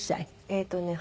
えっとね